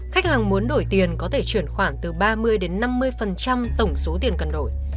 khách hàng muốn đổi tiền có thể chuyển khoản từ ba mươi đến năm mươi tổng số tiền cần đổi